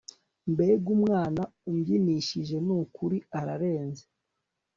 mbega umwana umbyinishije nukuri ararenze